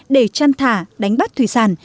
để chăn thả đánh bắt thủy sản